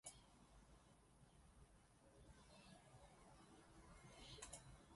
En Roma, Stebbins se implicó en el movimiento bohemio y feminista.